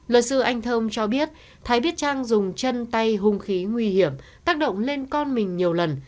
luật sư anh thơm cho biết thái biết trang dùng chân tay hung khí nguy hiểm tác động lên con mình nhiều lần